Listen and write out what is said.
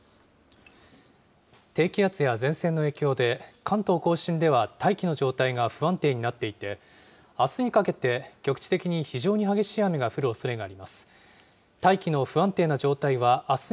低気圧や前線の影響で、関東甲信では大気の状態が不安定になっていて、あすにかけて局地的に非常に激しい雨が降るおそれがあります。